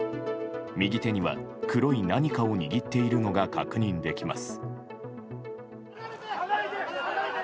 右手には黒い何かを握っているのが確認できます。